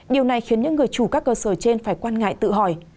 điều này khiến những người chủ các cơ sở trên phải quan ngại tự hỏi